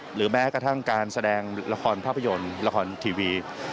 หรือแม้กระทั่งการแสดงละครภาพยนตร์ละครทีวี